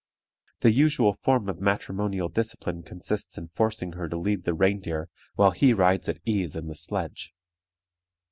The usual form of matrimonial discipline consists in forcing her to lead the reindeer while he rides at ease in the sledge.